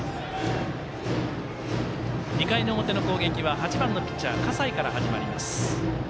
２回の表の攻撃は８番のピッチャー葛西から始まります。